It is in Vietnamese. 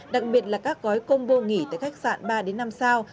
đặc biệt là các gói combo nghỉ tại khách sạn ba năm sao